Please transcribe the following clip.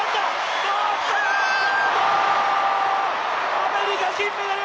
アメリカ金メダル！